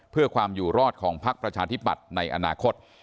เพื่อความอยู่รอดของพักประชาธิปัตย์ในอนาคต